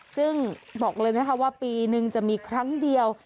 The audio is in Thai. ซึ่งบอกเลยนะคะว่าปีนึงจะมีครั้งเดียว